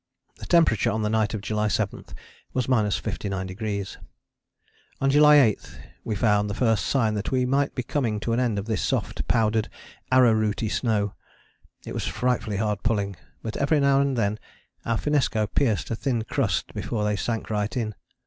The temperature on the night of July 7 was 59°. On July 8 we found the first sign that we might be coming to an end of this soft, powdered, arrowrooty snow. It was frightfully hard pulling; but every now and then our finnesko pierced a thin crust before they sank right in.